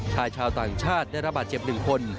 ชายชาวต่างชาติได้รับบาดเจ็บ๑คน